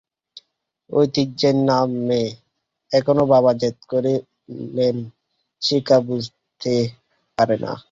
ঐতিহ্যের নামে এখনো বাবা জেদ কেন করলেন শিখা বুঝতে পারে না।